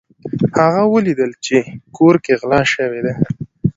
هغه ولیدل چې کور کې غلا شوې ده.